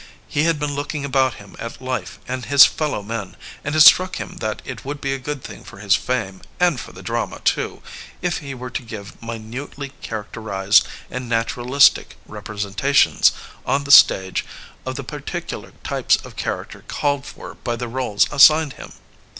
He had been looking about him at life and his fellow men, and it struck him that it would be a good thing for his fame and for the drama, too, if he were to give minutely characterized and naturalistic representations on the stage of the particular types of character called for by the roles assigned him.